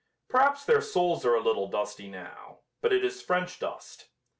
Perhaps their souls are a little dusty now, but it is French dust.